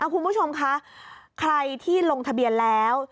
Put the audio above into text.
คุณผู้ชมคะใครที่ลงทะเบียนแล้ว